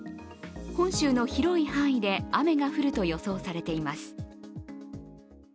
本州の広い範囲で雨が降ると予想されています。